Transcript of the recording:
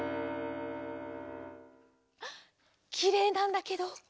きれいなんだけど。